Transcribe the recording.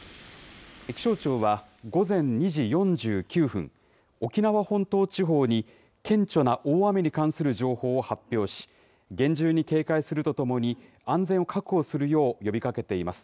気象庁は、午前２時４９分、沖縄本島地方に、顕著な大雨に関する情報を発表し、厳重に警戒するとともに、安全を確保するよう呼びかけています。